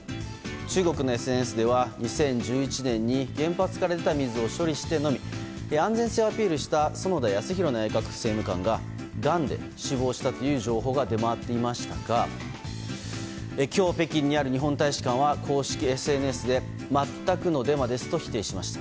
中国のＳＮＳでは２０１１年に原発から出た水を処理して飲み安全性をアピールした園田康博政務官ががんで死亡したという情報が出回っていましたが今日、北京にある日本大使館は公式ＳＮＳで全くのデマですと否定しました。